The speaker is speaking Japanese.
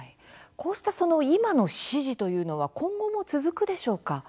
こうした今の支持というのは今後も続くでしょうか。